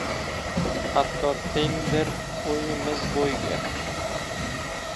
Hatto tengdir bo‘yimiz bo‘yga